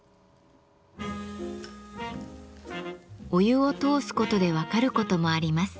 お湯を通すことで分かることもあります。